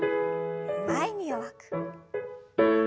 前に弱く。